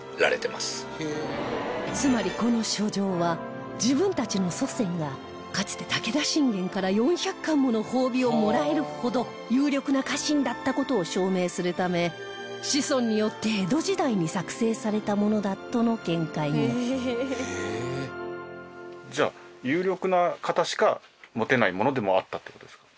つまりこの書状は自分たちの祖先がかつて武田信玄から４００貫もの褒美をもらえるほど有力な家臣だった事を証明するため子孫によって江戸時代に作成されたものだとの見解にじゃあ有力な方しか持てないものでもあったって事ですか？